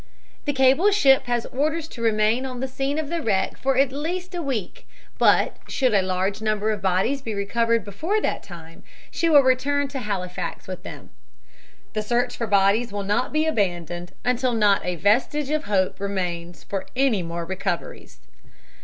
"The cable ship has orders to remain on the scene of the wreck for at least a week, but should a large number of bodies be recovered before that time she will return to Halifax with them. The search for bodies will not be abandoned until not a vestige of hope remains for any more recoveries.